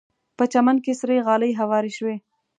په چمن کې سرې غالۍ هوارې شوې.